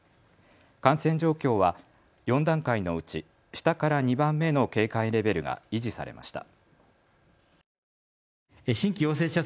感染状況は４段階のうち下から２番目の警戒レベルが維持されました。